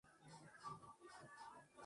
Está ubicada a al sur de Belfort.